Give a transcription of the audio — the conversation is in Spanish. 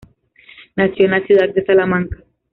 Nació en la ciudad de Salamanca.